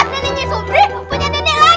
neneknya sobri punya nenek lagi